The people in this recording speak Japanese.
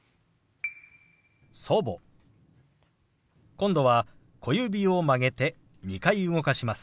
今度は小指を曲げて２回動かします。